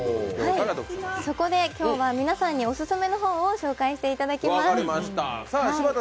そこで今日は皆さんにオススメの本を紹介していただきます。